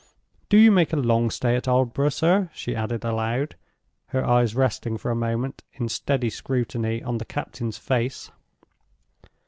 Do you make a long stay at Aldborough, sir?" she added aloud, her eyes resting for a moment, in steady scrutiny, on the captain's face.